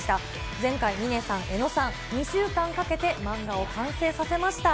前回、峰さん、江野さん、２週間かけて漫画を完成させました。